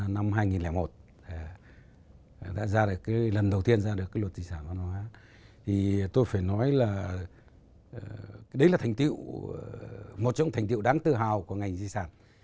năm hai nghìn một lần đầu tiên ra được cái luật di sản văn hóa thì tôi phải nói là đấy là thành tiệu một trong thành tiệu đáng tự hào của ngành di sản